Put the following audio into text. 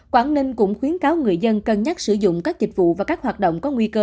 quảng ninh cũng khuyến cáo người dân cân nhắc sử dụng các dịch vụ và các hoạt động có nguy cơ